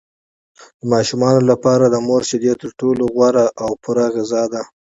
د ماشومانو لپاره د مور شیدې تر ټولو غوره او پوره غذا ده.